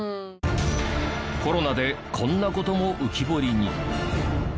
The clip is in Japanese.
コロナでこんな事も浮き彫りに。